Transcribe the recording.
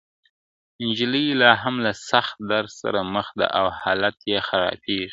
نجلۍ لا هم له سخت درد سره مخ ده او حالت يې خرابېږي,